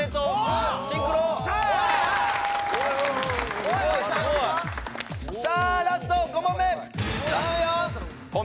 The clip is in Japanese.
すごいさあラスト５問目！